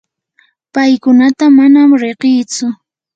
paykunata manam riqitsu.